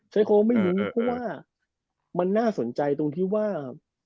ใช้โค้ไม่รู้เพราะว่ามันน่าสนใจตรงที่ว่า